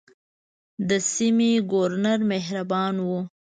د سیمې ګورنر مهربان وو.